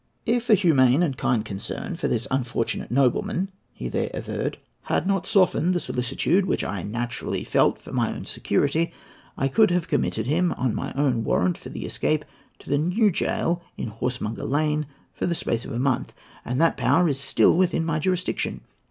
"If a humane and kind concern for this unfortunate nobleman," he there averred, "had not softened the solicitude which I naturally felt for my own security, I could have committed him, on my own warrant for the escape, to the new gaol in Horsemonger Lane, for the space of a month; and that power is still within my jurisdiction.